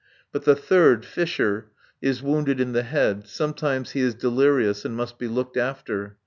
But the third, Fisher, is wounded in the head. Sometimes he is delirious and must be looked after.